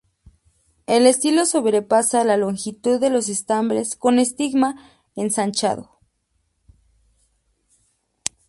El estilo sobrepasa la longitud de los estambres con estigma ensanchado.